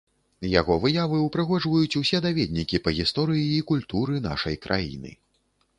Яго выявы ўпрыгожваюць усе даведнікі па гісторыі і культуры нашай краіны.